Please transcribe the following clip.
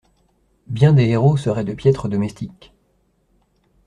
Bien des héros seraient de piètres domestiques.